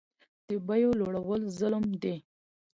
د بیو لوړول ظلم دی